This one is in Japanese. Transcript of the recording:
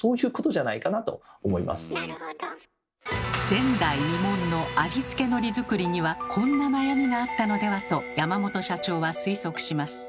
前代未聞の味付けのり作りにはこんな悩みがあったのではと山本社長は推測します。